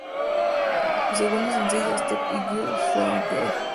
Su segundo sencillo, "Stop It Girl", fue aún peor.